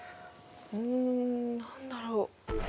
うん何だろう。